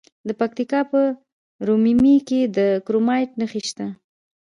د پکتیکا په ورممی کې د کرومایټ نښې شته.